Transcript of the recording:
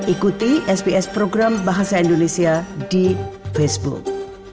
ikuti sps program bahasa indonesia di facebook